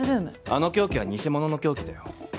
あの凶器は偽物の凶器だよ。